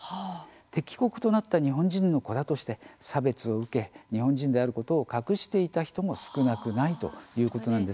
敵国となった日本人の子だとして差別を受け、日本人であることを隠していた人も少なくないということなんです。